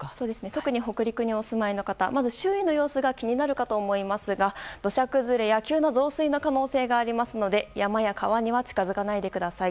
特に北陸にお住まいの方まず周囲の様子が気になるかと思いますが土砂崩れや急な増水の可能性がありますので山や川には近づかないでください。